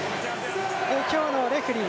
今日のレフリー